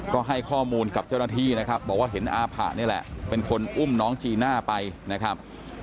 ก็ให้ข้อมูลกับเจ้าหน้าที่นะครับบอกว่าเห็นอาผะนี่แหละเป็นคนอุ้มน้องจีน่าไปนะครับ